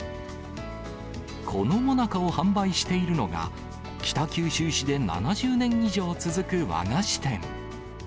このもなかを販売しているのが、北九州市で７０年以上続く和菓子店。